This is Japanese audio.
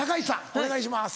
お願いします。